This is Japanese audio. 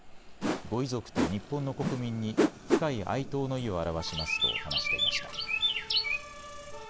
ご遺族と日本の国民に深い哀悼の意を表しますと話していました。